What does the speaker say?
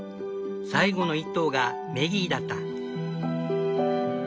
最後の１頭がメギーだった。